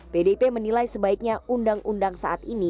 pdip menilai sebaiknya undang undang saat ini